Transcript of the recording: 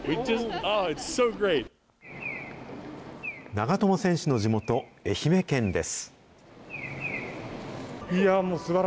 長友選手の地元、愛媛県です。